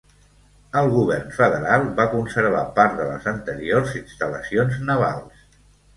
El govern federal va conservar part de les anteriors instal·lacions navals.